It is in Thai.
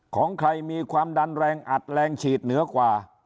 ของใครมีความดันแรงอัดแรงฉีดเหนือกว่า